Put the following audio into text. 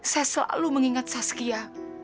saya selalu mengingat saskia